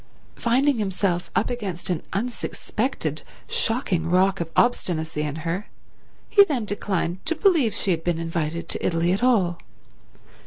Finding himself up against an unsuspected, shocking rock of obstinacy in her, he then declined to believe she had been invited to Italy at all.